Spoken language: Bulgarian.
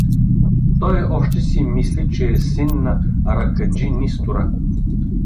Той още си мисли, че е син на ракъджи Нистора!